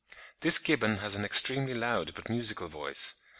This gibbon has an extremely loud but musical voice.